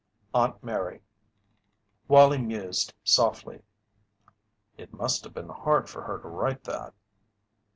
AUNT MARY. Wallie mused softly: "It must have been hard for her to write that."